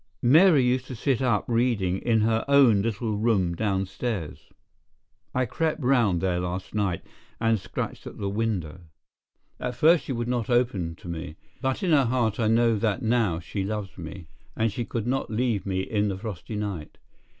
Mary used to sit up reading in her own little room downstairs. I crept round there last night and scratched at the window. At first she would not open to me, but in her heart I know that now she loves me, and she could not leave me in the frosty night.